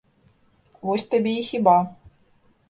Вось табе і хіба.